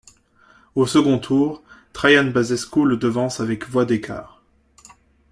Au second tour, Traian Băsescu le devance avec voix d'écart.